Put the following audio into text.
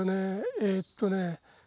えっとね